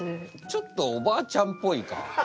ちょっとおばあちゃんっぽいか。